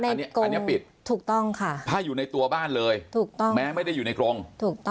อันนี้กรงอันนี้ปิดถูกต้องค่ะถ้าอยู่ในตัวบ้านเลยถูกต้องแม้ไม่ได้อยู่ในกรงถูกต้อง